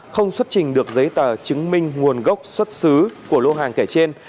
không xuất trình được giấy tờ chứng minh nguồn gốc xuất xứ của lô hàng kể trên